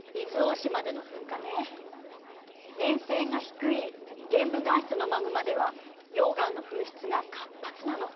粘性が低い玄武岩質のマグマでは溶岩の噴出が活発なの。